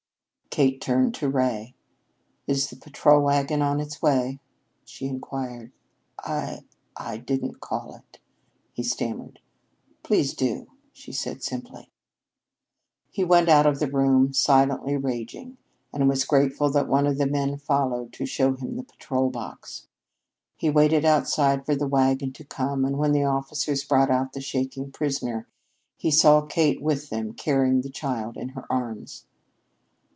Kate turned to Ray. "Is the patrol wagon on its way?" she inquired. "I I didn't call it," he stammered. "Please do," she said simply. He went out of the room, silently raging, and was grateful that one of the men followed to show him the patrol box. He waited outside for the wagon to come, and when the officers brought out the shaking prisoner, he saw Kate with them carrying the child in her arms.